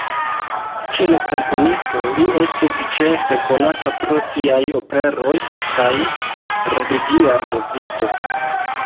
Kiel komponisto li estis ĉefe konata pro siaj operoj kaj religia muziko.